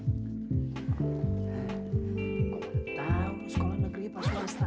kok gak tau sekolah negeri pas swasta